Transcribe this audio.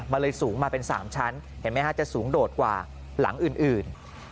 มันเลยสูงมาเป็น๓ชั้นเห็นไหมฮะจะสูงโดดกว่าหลังอื่น